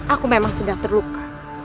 aku memang sedang terluka